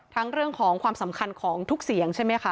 เรื่องของความสำคัญของทุกเสียงใช่ไหมคะ